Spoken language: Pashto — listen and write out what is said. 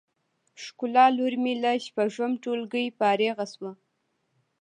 ښکلا لور می له شپږم ټولګی فارغه شوه